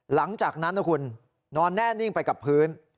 หลังจากนั้นนะคุณนอนแน่นิ่งไปกับพื้น